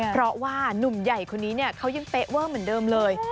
เพราะว่านุ่มใหญ่คนนี้เขายังเป๊ะเวอร์เหมือนเดิมเลย